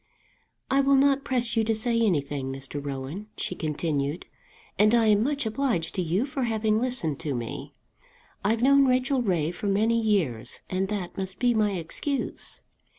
"I will not press you to say anything, Mr. Rowan," she continued, "and I am much obliged to you for having listened to me. I've known Rachel Ray for many years, and that must be my excuse."